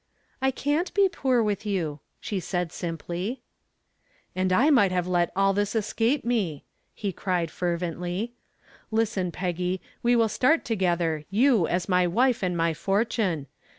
"I can't be poor with you," she said simply. "And I might have let all this escape me," he cried fervently. "Listen, Peggy we will start together, you as my wife and my fortune.